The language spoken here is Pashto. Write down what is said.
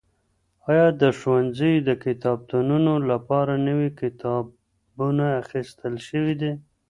ایا د ښوونځیو د کتابتونونو لپاره نوي کتابونه اخیستل شوي دي؟